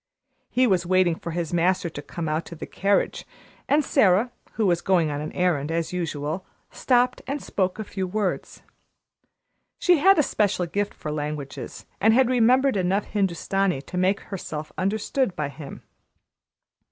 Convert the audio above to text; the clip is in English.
He was waiting for his master to come out to the carriage, and Sara, who was going on an errand as usual, stopped and spoke a few words. She had a special gift for languages and had remembered enough Hindustani to make herself understood by him.